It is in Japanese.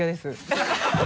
ハハハ